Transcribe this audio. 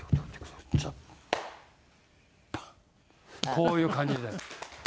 こういう感じで。